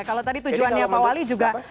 kalau tadi tujuannya pak wali juga